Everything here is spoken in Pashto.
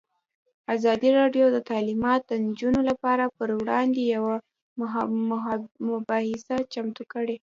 ازادي راډیو د تعلیمات د نجونو لپاره پر وړاندې یوه مباحثه چمتو کړې.